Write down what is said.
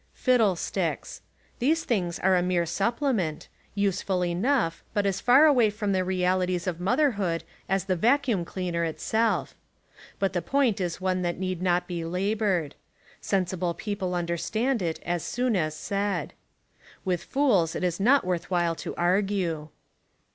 Fiddlesticks! These things are a mere supplement, useful enough but as far away from the realities of motherhood as the vacuum cleaner itself. But the point is one that need not be laboured. Sensible people un derstand it as soon as said. With fools it is not worth while to argue.